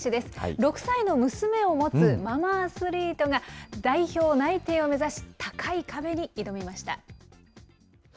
６歳の娘を持つママアスリートが、代表内定を目指し、高い壁に挑みました。